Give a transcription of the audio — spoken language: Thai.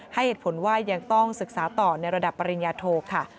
ให้เหตุผลว่ายังต้องศึกษาต่อในระดับปริญญาโทค่ะ